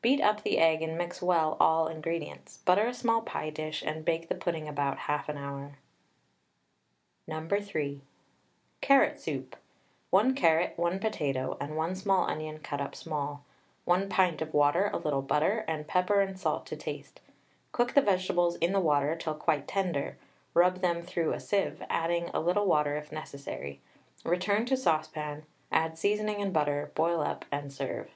Beat up the egg and mix well all ingredients; butter a small pie dish, and bake the pudding about 1/2 hour. No. 3. CARROT SOUP. 1 carrot, 1 potato, and 1 small onion cut up small, 1 pint of water, a little butter, and pepper and salt to taste. Cook the vegetables in the water till quite tender, rub them through a sieve, adding a little water if necessary; return to saucepan, add seasoning and butter, boil up and serve.